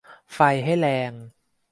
ไฟให้แรง